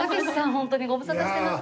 ホントにご無沙汰してます。